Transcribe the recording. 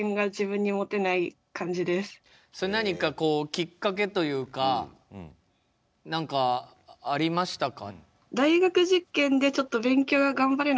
ちょっとそれ何かこうきっかけというか何かありましたか？